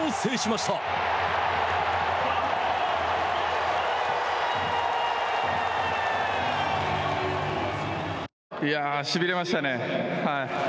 しびれましたね。